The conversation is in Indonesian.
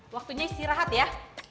waktunya istirahat ya